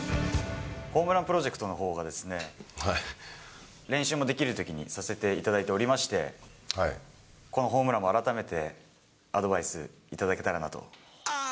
ホームランプロジェクトのほうがですね、練習もできるときにさせていただいておりまして、このホームランを改めてアドバイス頂けたらなと。